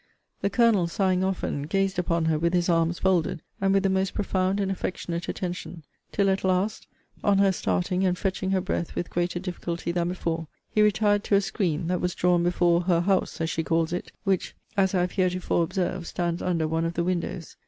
The Colonel, sighing often, gazed upon her with his arms folded, and with the most profound and affectionate attention; till at last, on her starting, and fetching her breath with greater difficulty than before, he retired to a screen, that was drawn before her house, as she calls it, which, as I have heretofore observed, stands under one of the windows.